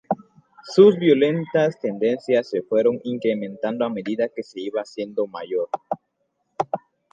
Sus violentas tendencias se fueron incrementando a medida que se iba haciendo mayor.